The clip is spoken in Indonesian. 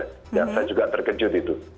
saya juga terkejut itu